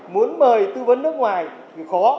muốn mời tư vấn nước ngoài thì khó